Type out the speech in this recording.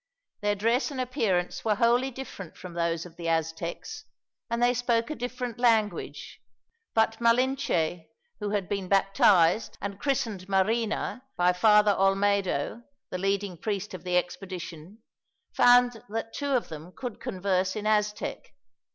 Their dress and appearance were wholly different from those of the Aztecs, and they spoke a different language, but Malinche who had been baptized, and christened Marina, by Father Olmedo, the leading priest of the expedition found that two of them could converse in Aztec.